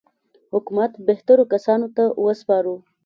حکومت بهترو کسانو ته وسپارو.